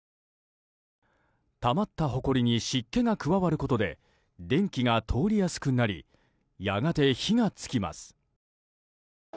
たまったほこりに湿気が加わることで電気が通りやすくなりやがて火が付きます。